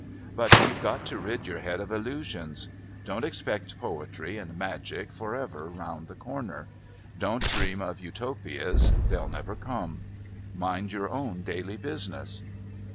But you've got to rid your head of illusions. Don't expect poetry and magic for ever round the corner. Don't dream of Utopias they'll never come. Mind your own daily business."